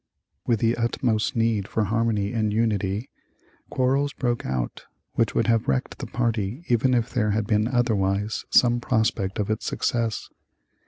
With the utmost need for harmony and unity, quarrels broke out which would have wrecked the party even if there had been otherwise some prospect of its success.